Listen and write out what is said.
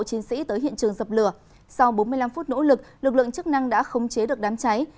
chiến sĩ tới hiện trường dập lửa sau bốn mươi năm phút nỗ lực lực lượng chức năng đã khống chế được đám cháy